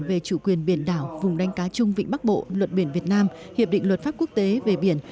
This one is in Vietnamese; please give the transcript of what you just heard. về chủ quyền biển đảo vùng đánh cá chung vịnh bắc bộ luật biển việt nam hiệp định luật pháp quốc tế về biển